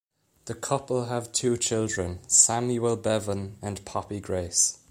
The couple have two children, Samuel Bevan and Poppy Grace.